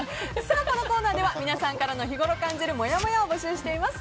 このコーナーでは皆さんからの日ごろ感じるもやもやを募集します。